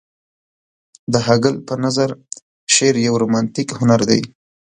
د هګل په نظر شعر يو رومانتيک هنر دى.